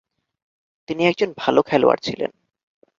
তিনি একজন ভাল খেলোয়াড় ছিলেন।